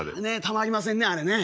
たまりませんねあれね。